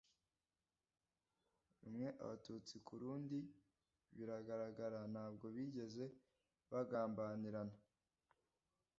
rumwe Abatutsi ku rundi biragaragara ntabwo bigeze bagambanirana